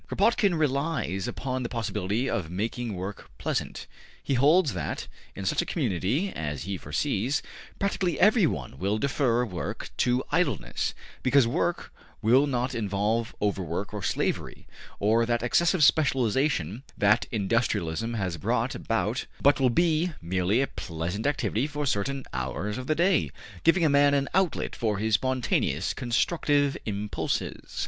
Kropotkin relies upon the possibility of making work pleasant: he holds that, in such a community as he foresees, practically everyone will prefer work to idleness, because work will not involve overwork or slavery, or that excessive specialization that industrialism has brought about, but will be merely a pleasant activity for certain hours of the day, giving a man an outlet for his spontaneous constructive impulses.